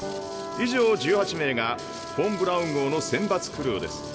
以上１８名がフォン・ブラウン号の選抜クルーです。